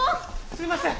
すいません！